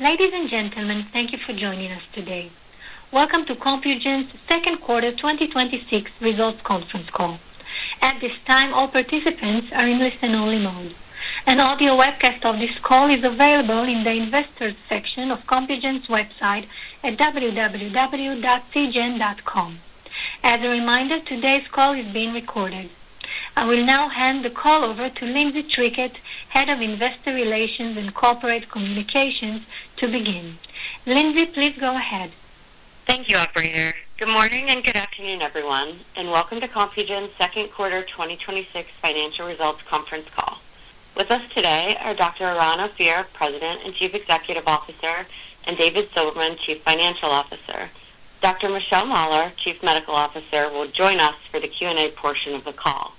Ladies and gentlemen, thank you for joining us today. Welcome to Compugen's second quarter 2026 results conference call. At this time, all participants are in listen-only mode. An audio webcast of this call is available in the Investors section of Compugen's website at www.cgen.com. As a reminder, today's call is being recorded. I will now hand the call over to Lindsey Trickett, Head of Investor Relations and Corporate Communications, to begin. Lindsey, please go ahead. Thank you, operator. Good morning and good afternoon, everyone, welcome to Compugen's second quarter 2026 financial results conference call. With us today are Dr. Eran Ophir, President and Chief Executive Officer, and David Silberman, Chief Financial Officer. Dr. Michelle Mahler, Chief Medical Officer, will join us for the question-and-answer portion of the call.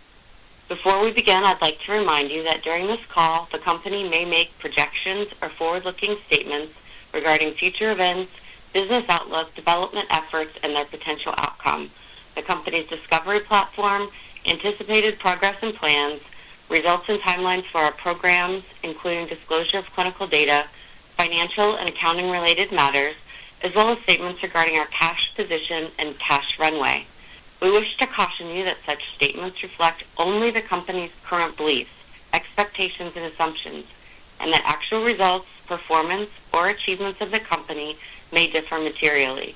Before we begin, I'd like to remind you that during this call, the company may make projections or forward-looking statements regarding future events, business outlook, development efforts, and their potential outcome, the company's discovery platform, anticipated progress and plans, results and timelines for our programs, including disclosure of clinical data, financial and accounting-related matters, as well as statements regarding our cash position and cash runway. We wish to caution you that such statements reflect only the company's current beliefs, expectations, and assumptions, and that actual results, performance, or achievements of the company may differ materially.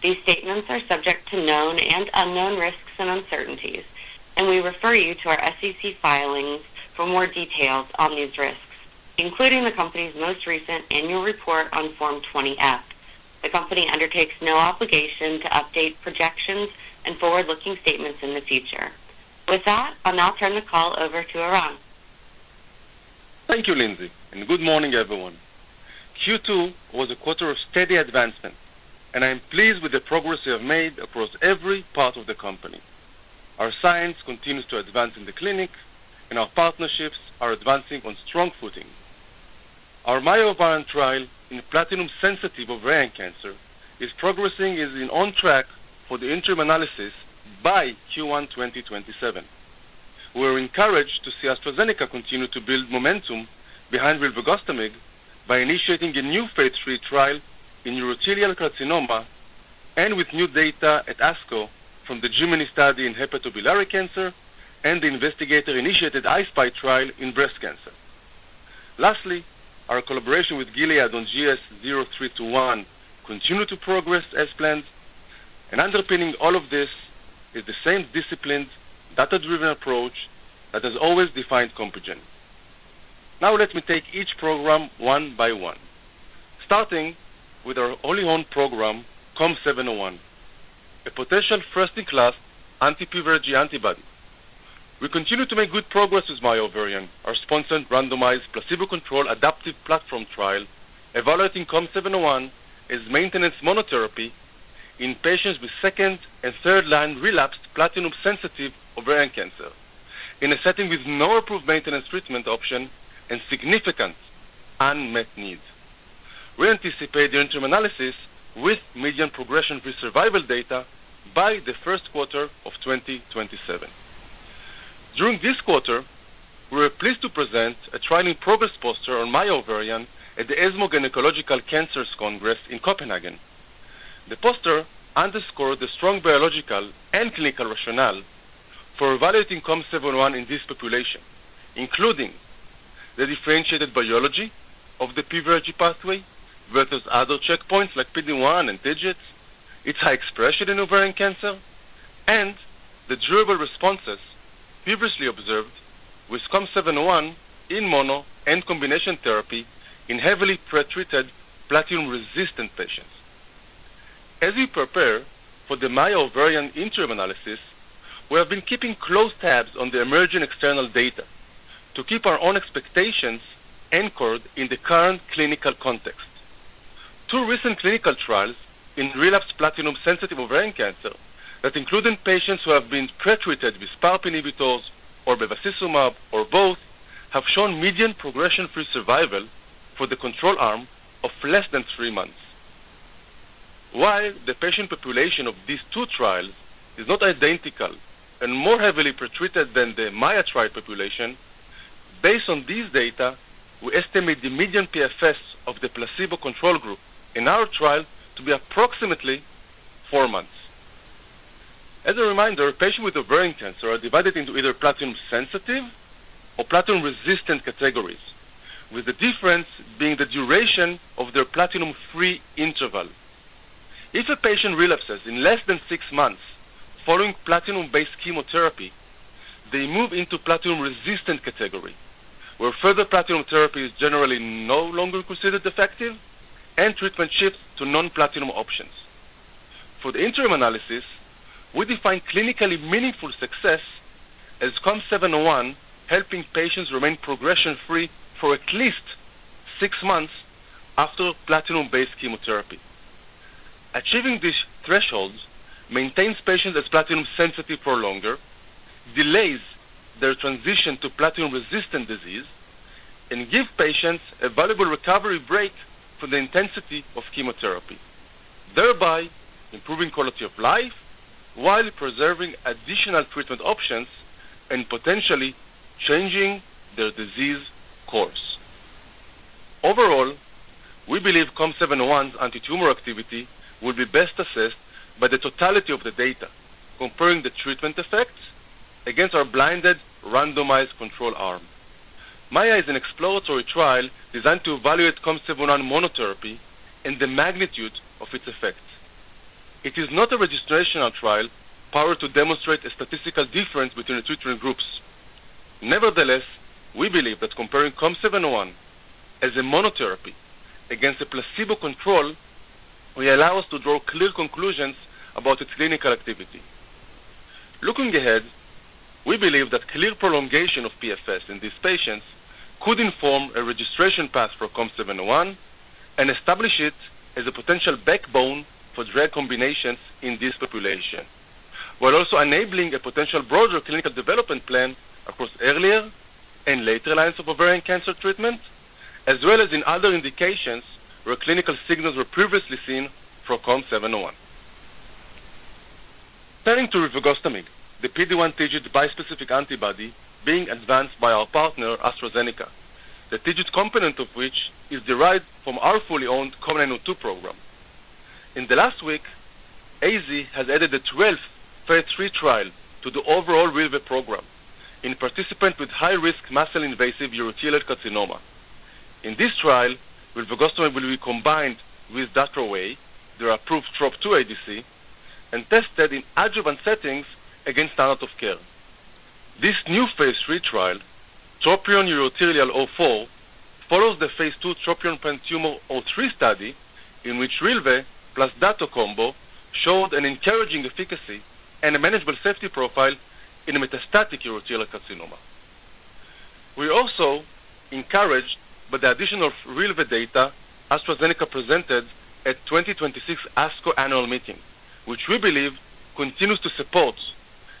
These statements are subject to known and unknown risks and uncertainties, we refer you to our SEC filings for more details on these risks, including the company's most recent annual report on Form 20-F. The company undertakes no obligation to update projections and forward-looking statements in the future. With that, I'll now turn the call over to Eran. Thank you, Lindsey, good morning, everyone. Q2 was a quarter of steady advancement, I'm pleased with the progress we have made across every part of the company. Our science continues to advance in the clinic, our partnerships are advancing on strong footing. Our MAIA-ovarian trial in platinum-sensitive ovarian cancer is progressing and is on track for the interim analysis by Q1 2027. We're encouraged to see AstraZeneca continue to build momentum behind rilvegostomig by initiating a new phase III trial in urothelial carcinoma and with new data at ASCO from the GEMINI study in hepatobiliary cancer and the investigator-initiated I-SPY trial in breast cancer. Lastly, our collaboration with Gilead on GS-0321 continued to progress as planned, underpinning all of this is the same disciplined, data-driven approach that has always defined Compugen. Let me take each program one by one. Starting with our only owned program, COM701, a potential first-in-class anti-PVRIG antibody. We continue to make good progress with MAIA-ovarian, our sponsored randomized placebo-controlled adaptive platform trial evaluating COM701 as maintenance monotherapy in patients with second and third line relapsed platinum-sensitive ovarian cancer in a setting with no approved maintenance treatment option and significant unmet needs. We anticipate the interim analysis with median progression-free survival data by the first quarter of 2027. During this quarter, we were pleased to present a trial-in-progress poster on MAIA-ovarian at the ESMO Gynaecological Cancers Congress in Copenhagen. The poster underscored the strong biological and clinical rationale for evaluating COM701 in this population, including the differentiated biology of the PVRIG pathway versus other checkpoints like PD-1 and TIGIT, its high expression in ovarian cancer, and the durable responses previously observed with COM701 in mono and combination therapy in heavily pretreated platinum-resistant patients. As we prepare for the MAIA-ovarian interim analysis, we have been keeping close tabs on the emerging external data to keep our own expectations anchored in the current clinical context. Two recent clinical trials in relapsed platinum-sensitive ovarian cancer that included patients who have been pretreated with PARP inhibitors or bevacizumab, or both, have shown median progression-free survival for the control arm of less than three months. While the patient population of these two trials is not identical and more heavily pretreated than the MAIA trial population, based on these data, we estimate the median PFS of the placebo control group in our trial to be approximately four months. As a reminder, patients with ovarian cancer are divided into either platinum-sensitive or platinum-resistant categories, with the difference being the duration of their platinum-free interval. If a patient relapses in less than six months following platinum-based chemotherapy, they move into platinum-resistant category, where further platinum therapy is generally no longer considered effective and treatment shifts to non-platinum options. For the interim analysis, we define clinically meaningful success as COM701 helping patients remain progression free for at least six months after platinum-based chemotherapy. Achieving these thresholds maintains patients as platinum sensitive for longer, delays their transition to platinum-resistant disease, and give patients a valuable recovery break from the intensity of chemotherapy. Thereby improving quality of life while preserving additional treatment options and potentially changing their disease course. Overall, we believe COM701's antitumor activity will be best assessed by the totality of the data comparing the treatment effects against our blinded randomized control arm. MAIA is an exploratory trial designed to evaluate COM701 monotherapy and the magnitude of its effects. It is not a registrational trial powered to demonstrate a statistical difference between the two treatment groups. Nevertheless, we believe that comparing COM701 as a monotherapy against a placebo control will allow us to draw clear conclusions about its clinical activity. Looking ahead, we believe that clear prolongation of PFS in these patients could inform a registration path for COM701 and establish it as a potential backbone for drug combinations in this population, while also enabling a potential broader clinical development plan across earlier and later lines of ovarian cancer treatment, as well as in other indications where clinical signals were previously seen for COM701. Turning to rilvegostomig, the PD-1/TIGIT bispecific antibody being advanced by our partner, AstraZeneca, the TIGIT component of which is derived from our fully owned COM902 program. In the last week, AZ has added a 12th phase III trial to the overall rilve program in participants with high-risk muscle-invasive urothelial carcinoma. In this trial, rilvegostomig will be combined with Dato-DXd, their approved TROP2 ADC, and tested in adjuvant settings against standard of care. This new phase III trial, TROPION-Urothelial-04, follows the phase II TROPION-PanTumor03 study in which rilve plus Dato-DXd combo showed an encouraging efficacy and a manageable safety profile in metastatic urothelial carcinoma. We are also encouraged by the additional rilve data AstraZeneca presented at 2026 ASCO annual meeting, which we believe continues to support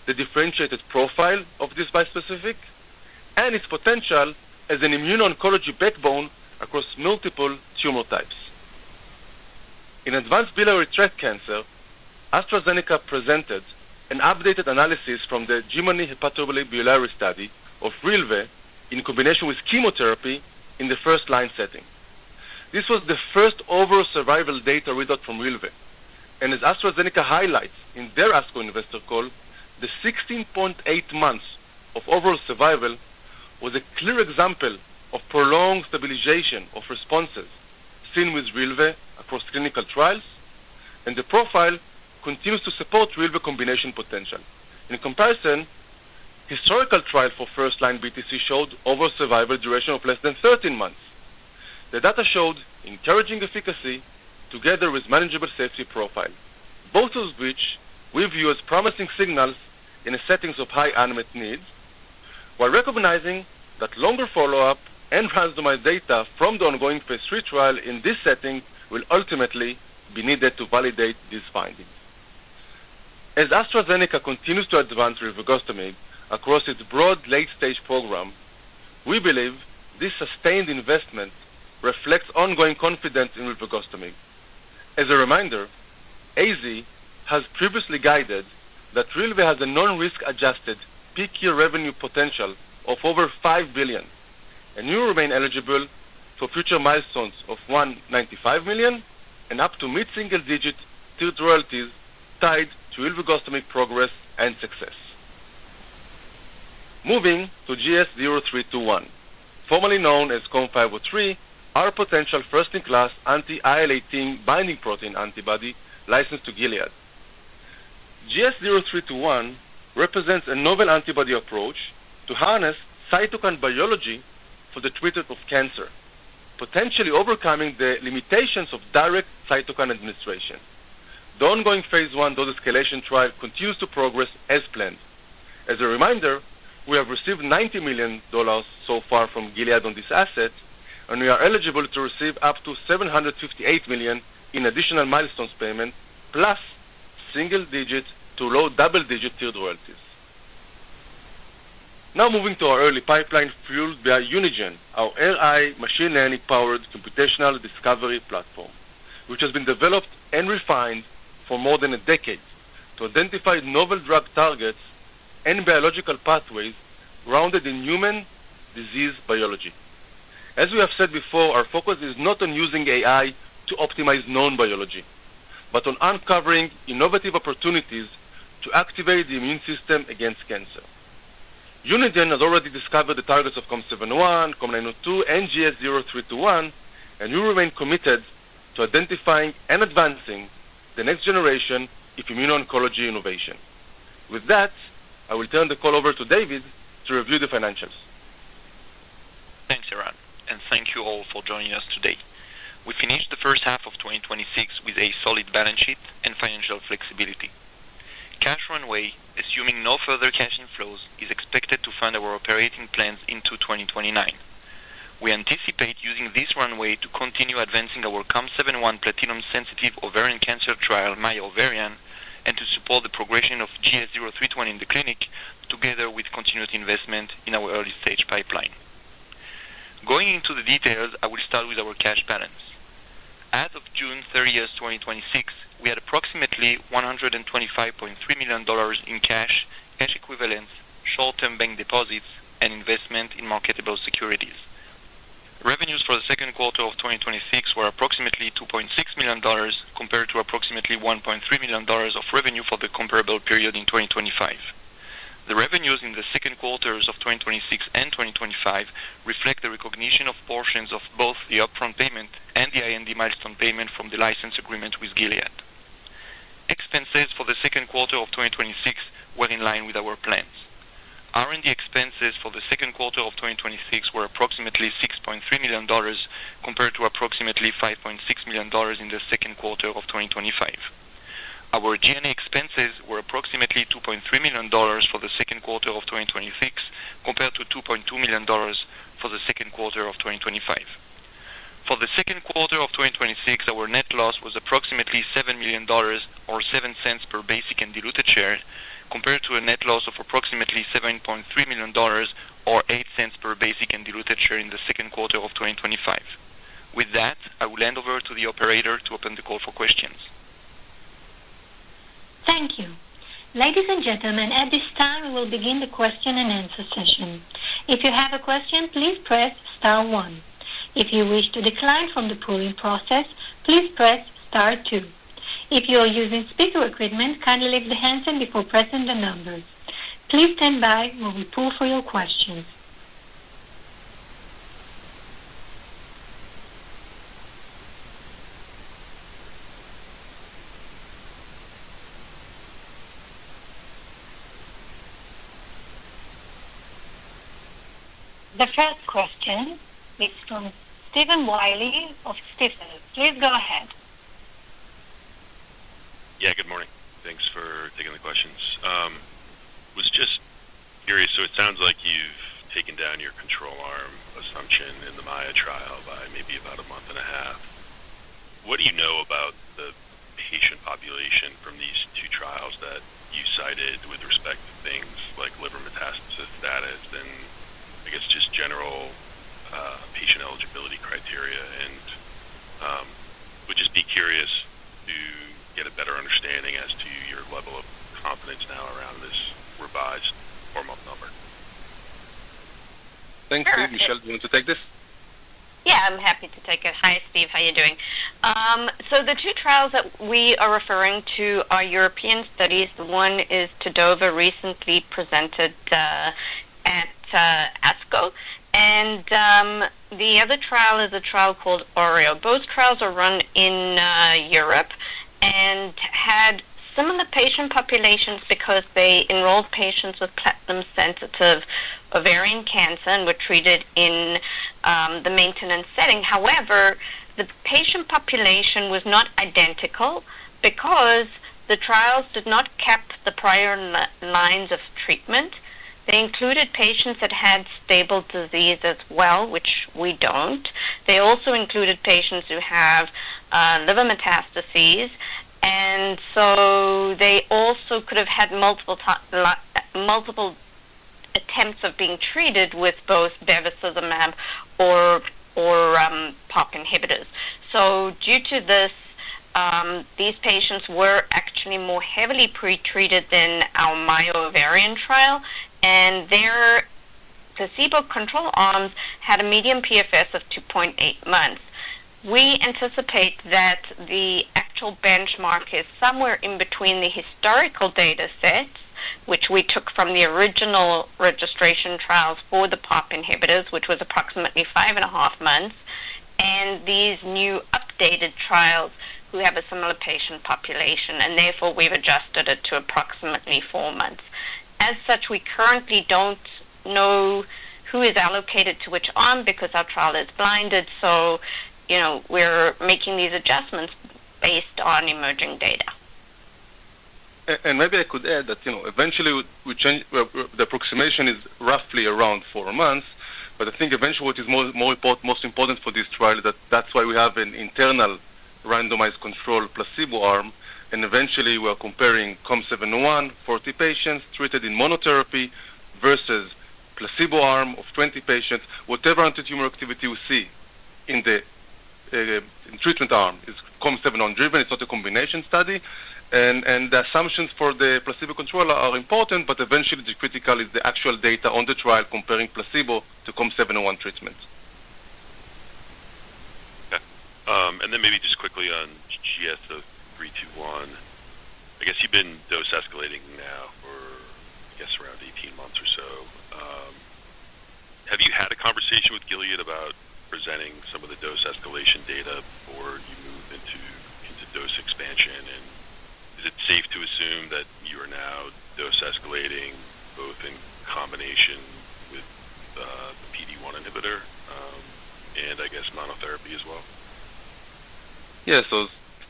the differentiated profile of this bispecific and its potential as an immune oncology backbone across multiple tumor types. In advanced biliary tract cancer, AstraZeneca presented an updated analysis from the GEMINI-Hepatobiliary study of rilve in combination with chemotherapy in the first-line setting. This was the first overall survival data readout from rilve. As AstraZeneca highlights in their ASCO investor call, the 16.8 months of overall survival was a clear example of prolonged stabilization of responses seen with rilve across clinical trials, and the profile continues to support rilve combination potential. In comparison, historical trial for first-line BTC showed overall survival duration of less than 13 months. The data showed encouraging efficacy together with manageable safety profile, both of which we view as promising signals in the settings of high unmet needs, while recognizing that longer follow-up and randomized data from the ongoing phase III trial in this setting will ultimately be needed to validate these findings. As AstraZeneca continues to advance rilvegostomig across its broad late-stage program, we believe this sustained investment reflects ongoing confidence in rilvegostomig. As a reminder, AZ has previously guided that rilve has a non-risk adjusted peak year revenue potential of over $5 billion, and we remain eligible for future milestones of $195 million and up to mid-single-digit tiered royalties tied to rilvegostomig progress and success. Moving to GS-0321, formerly known as COM503, our potential first-in-class anti-IL-18 binding protein antibody licensed to Gilead. GS-0321 represents a novel antibody approach to harness cytokine biology for the treatment of cancer, potentially overcoming the limitations of direct cytokine administration. The ongoing phase I dose-escalation trial continues to progress as planned. As a reminder, we have received $90 million so far from Gilead on this asset, and we are eligible to receive up to $758 million in additional milestones payment, plus single digits to low double-digit tiered royalties. Moving to our early pipeline fueled by Unigen, our AI machine learning-powered computational discovery platform, which has been developed and refined for more than a decade to identify novel drug targets and biological pathways grounded in human disease biology. As we have said before, our focus is not on using AI to optimize known biology, but on uncovering innovative opportunities to activate the immune system against cancer. Unigen has already discovered the targets of COM701, COM902, and GS-0321, and we remain committed to identifying and advancing the next generation of immune oncology innovation. With that, I will turn the call over to David to review the financials. Thanks, Eran, and thank you all for joining us today. We finished the first half of 2026 with a solid balance sheet and financial flexibility. Cash runway, assuming no further cash inflows, is expected to fund our operating plans into 2029. We anticipate using this runway to continue advancing our COM701 platinum-sensitive ovarian cancer trial, MAIA-ovarian, and to support the progression of GS-0321 in the clinic, together with continuous investment in our early-stage pipeline. Going into the details, I will start with our cash balance. As of June 30th, 2026, we had approximately $125.3 million in cash equivalents, short-term bank deposits, and investment in marketable securities. Revenues for the second quarter of 2026 were approximately $2.6 million compared to approximately $1.3 million of revenue for the comparable period in 2025. The revenues in the second quarters of 2026 and 2025 reflect the recognition of portions of both the upfront payment and the IND milestone payment from the license agreement with Gilead. Expenses for the second quarter of 2026 were in line with our plans. R&D expenses for the second quarter of 2026 were approximately $6.3 million compared to approximately $5.6 million in the second quarter of 2025. Our G&A expenses were approximately $2.3 million for the second quarter of 2026, compared to $2.2 million for the second quarter of 2025. For the second quarter of 2026, our net loss was approximately $7 million or $0.07 per basic and diluted share, compared to a net loss of approximately $7.3 million or $0.08 per basic and diluted share in the second quarter of 2025. With that, I will hand over to the operator to open the call for questions. Thank you. Ladies and gentlemen, at this time, we will begin the question-and-answer session. If you have a question, please press star one. If you wish to decline from the polling process, please press star two. If you are using speaker equipment, kindly lift the handset before pressing the numbers. Please stand by while we poll for your questions. The first question is from Stephen Willey of Stifel. Please go ahead. Good morning. Thanks for taking the questions. I was just curious, it sounds like you've taken down your control arm assumption in the MAIA trial by maybe about 1.5 months. What do you know about the patient population from these two trials that you cited with respect to things like liver metastasis status and I guess just general patient eligibility criteria? I would just be curious to get a better understanding as to your level of confidence now around this revised four-month number. Thanks. Michelle, do you want to take this? I'm happy to take it. Hi, Steve. How are you doing? The two trials that we are referring to are European studies. One is TADPOLE, recently presented at ASCO, and the other trial is a trial called ORION. Both trials are run in Europe and had similar patient populations because they enrolled patients with platinum-sensitive ovarian cancer and were treated in the maintenance setting. However, the patient population was not identical because the trials did not cap the prior lines of treatment. They included patients that had stable disease as well, which we don't. They also included patients who have liver metastases, and they also could have had multiple attempts of being treated with both bevacizumab or PARP inhibitors. Due to this, these patients were actually more heavily pretreated than our MAIA-ovarian trial, and their placebo control arms had a median PFS of 2.8 months. We anticipate that the actual benchmark is somewhere in between the historical data set, which we took from the original registration trials for the PARP inhibitors, which was approximately five and a half months, and these new updated trials who have a similar patient population. Therefore, we've adjusted it to approximately four months. As such, we currently don't know who is allocated to which arm because our trial is blinded. We're making these adjustments based on emerging data. Maybe I could add that eventually, the approximation is roughly around four months. I think eventually, what is most important for this trial is that that's why we have an internal randomized control placebo arm, and eventually, we're comparing COM701, 40 patients treated in monotherapy versus placebo arm of 20 patients. Whatever antitumor activity we see in the treatment arm is COM701-driven. It's not a combination study. The assumptions for the placebo control are important, but eventually, the critical is the actual data on the trial comparing placebo to COM701 treatment. Okay. Then maybe just quickly on GS-0321. I guess you've been dose escalating now for, I guess, around 18 months or so. Have you had a conversation with Gilead about presenting some of the dose escalation data before you move into dose expansion? Is it safe to assume that you are now dose escalating both in combination with the PD-1 inhibitor and I guess monotherapy as well?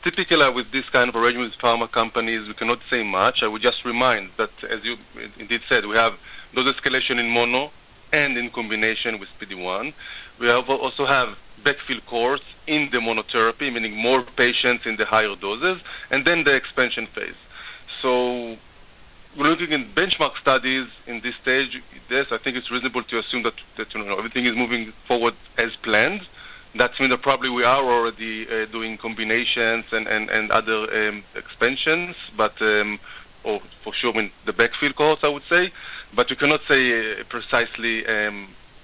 Yeah. Typically, with this kind of arrangement with pharma companies, we cannot say much. I would just remind that, as you indeed said, we have dose escalation in mono and in combination with PD-1. We also have backfill cohorts in the monotherapy, meaning more patients in the higher doses and then the expansion phase. We're looking in benchmark studies in this stage. Yes, I think it's reasonable to assume that everything is moving forward as planned. That means that probably we are already doing combinations and other expansions, but for sure, the backfield course, I would say. We cannot say precisely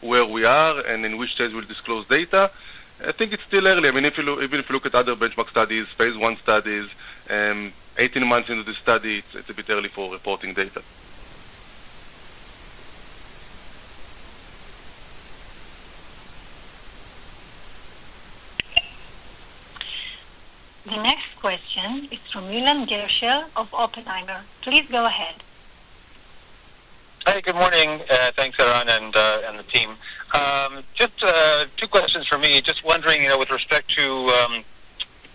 where we are and in which stage we'll disclose data. I think it's still early. Even if you look at other benchmark studies, phase I studies, 18 months into the study, it's a bit early for reporting data. The next question is from Leland Gershell of Oppenheimer. Please go ahead. Hi, good morning. Thanks, Eran and the team. Just two questions from me. Just wondering with respect to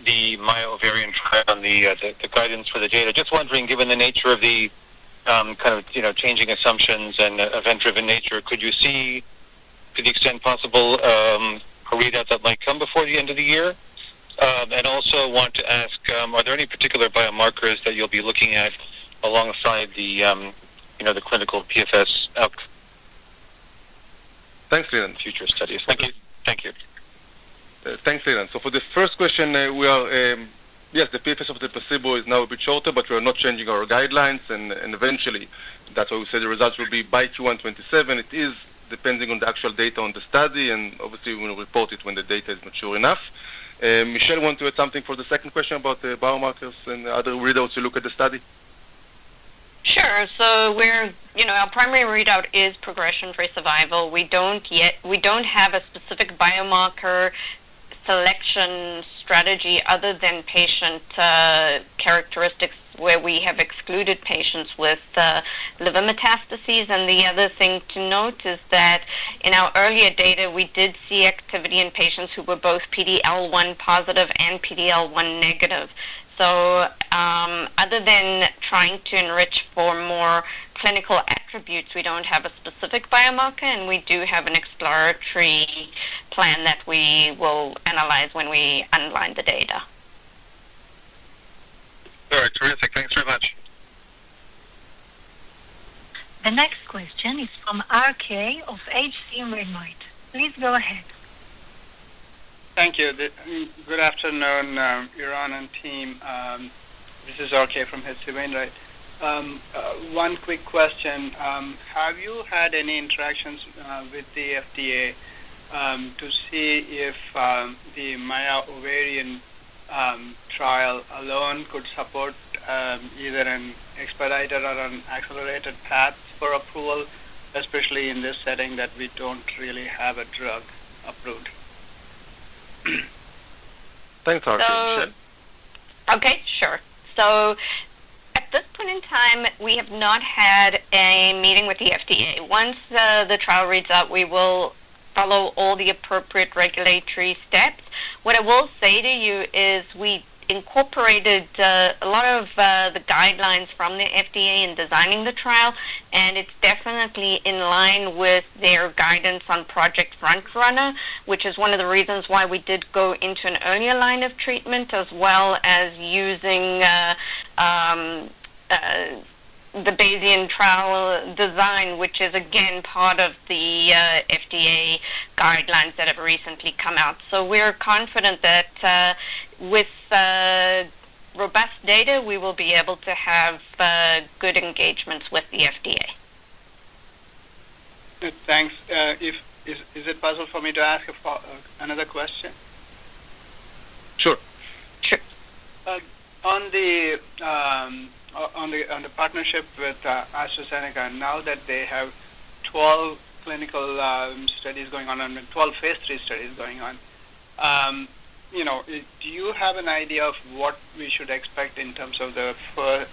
the MAIA-ovarian trial, the guidance for the data. Just wondering, given the nature of the changing assumptions and event-driven nature, could you see, to the extent possible, a readout that might come before the end of the year? Also want to ask, are there any particular biomarkers that you'll be looking at alongside the clinical PFS out future studies. Thank you. Thanks, Leland. For the first question, yes, the PFS of the placebo is now a bit shorter, but we are not changing our guidelines. Eventually, that's why we say the results will be by Q1 2027. It is depending on the actual data on the study, and obviously, we will report it when the data is mature enough. Michelle want to add something for the second question about the biomarkers and other readouts you look at the study? Sure. Our primary readout is progression-free survival. We don't have a specific biomarker selection strategy other than patient characteristics where we have excluded patients with liver metastases, and the other thing to note is that in our earlier data, we did see activity in patients who were both PD-L1 positive and PD-L1 negative. Other than trying to enrich for more clinical attributes, we don't have a specific biomarker, and we do have an exploratory plan that we will analyze when we unblind the data. All right. Terrific. Thanks very much. The next question is from Swayampakula Ramakanth of H.C. Wainwright. Please go ahead. Thank you. Good afternoon, Eran and team. This is Swayampakula Ramakanth from H.C. Wainwright. One quick question. Have you had any interactions with the FDA to see if the MAIA-ovarian trial alone could support either an expedited or an accelerated path for approval, especially in this setting that we don't really have a drug approved? Thanks, RK. Michelle? Okay, sure. At this point in time, we have not had a meeting with the FDA. Once the trial reads out, we will follow all the appropriate regulatory steps. What I will say to you is we incorporated a lot of the guidelines from the FDA in designing the trial, and it's definitely in line with their guidance on Project FrontRunner, which is one of the reasons why we did go into an earlier line of treatment, as well as using the Bayesian trial design, which is again part of the FDA guidelines that have recently come out. We're confident that with robust data, we will be able to have good engagements with the FDA. Good, thanks. Is it possible for me to ask another question? Sure. Sure. On the partnership with AstraZeneca, now that they have 12 clinical studies going on and 12 phase III studies going on, do you have an idea of what we should expect in terms of the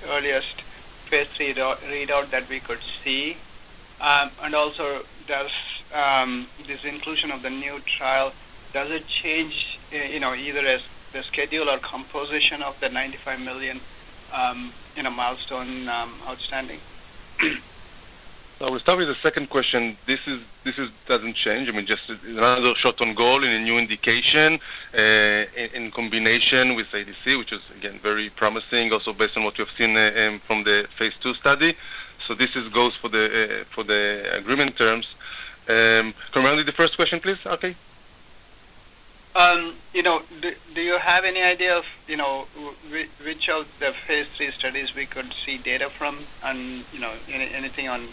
earliest phase III readout that we could see? Also, this inclusion of the new trial, does it change either the schedule or composition of the $95 million in a milestone outstanding? I will start with the second question. This doesn't change. Just another shot on goal in a new indication, in combination with ADC, which is again, very promising, also based on what you have seen from the phase II study. This goes for the agreement terms. Can you remind me the first question, please, RK? Do you have any idea of which of the phase III studies we could see data from? Anything on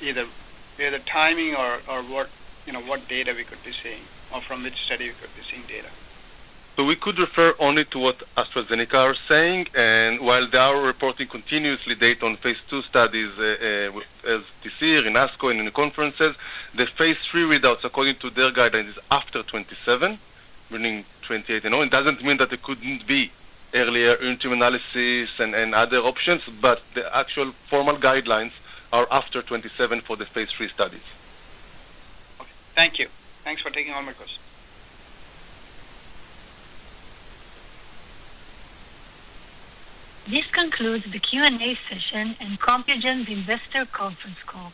either timing or what data we could be seeing, or from which study we could be seeing data? We could refer only to what AstraZeneca are saying. While they are reporting continuously data on phase II studies with ADC in ASCO and in conferences, the phase III readouts, according to their guidelines, is after 2027, meaning 2028. It doesn't mean that it couldn't be earlier interim analysis and other options, but the actual formal guidelines are after 2027 for the phase III studies. Okay. Thank you. Thanks for taking all my questions. This concludes the question-and-answer session and Compugen's Investor Conference Call.